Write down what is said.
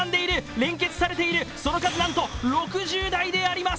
連結されている、その数なんと６０台であります！